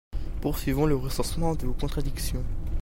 Poursuivons le recensement de vos contradictions.